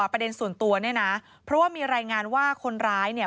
ประเด็นส่วนตัวเนี่ยนะเพราะว่ามีรายงานว่าคนร้ายเนี่ย